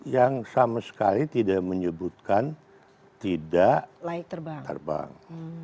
yang sama sekali tidak menyebutkan tidak layak terbang